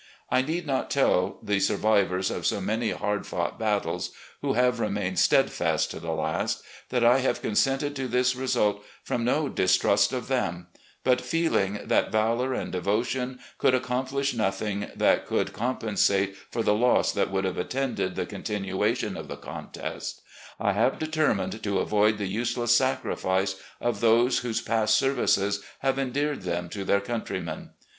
I need not tell the survivors of so many hard fought battles, who have remained steadfast to the last, that I have consented to this result from no distrust of them; but, feeling that valotu" and devotion could accomplish nothing that could compensate for the loss that would have attended the continuation of the contest, I have determined to avoid the useless sacrifice of those whose past services have endeared them to their countrymen.